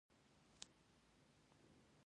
ساینس پوهان څنګه څیړنه کوي؟